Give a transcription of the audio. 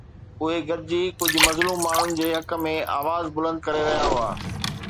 اهي گڏجي ڪجهه مظلوم ماڻهن جي حق ۾ آواز بلند ڪري رهيا هئا.